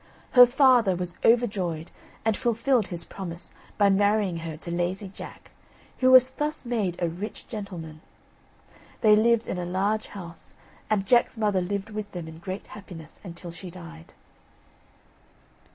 Her father was overjoyed, and fulfilled his promise by marrying her to Lazy Jack, who was thus made a rich gentleman. They lived in a large house, and Jack's mother lived with them in great happiness until she died.